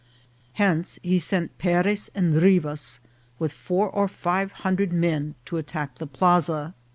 Hence he sent Perez and Rivas, with four or five hun dred men, to attack the plaza.